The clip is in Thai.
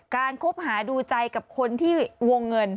คบหาดูใจกับคนที่วงเงิน